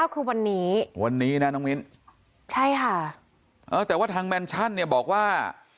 คือวันนี้วันนี้นะน้องมิ้นใช่ค่ะเออแต่ว่าทางแมนชั่นเนี่ยบอกว่า